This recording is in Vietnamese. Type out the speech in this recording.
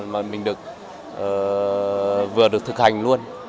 mà mình vừa được thực hành luôn